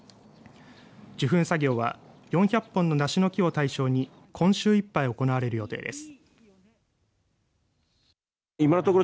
受粉作業は４００本のナシの木を対象に今週いっぱい行われる予定です。